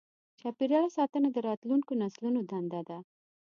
چاپېریال ساتنه د راتلونکو نسلونو دنده ده.